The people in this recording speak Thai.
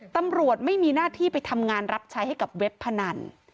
ตำรวจไม่มีหน้าที่ไปทำงานรับใช้ให้กับเว็บพนัน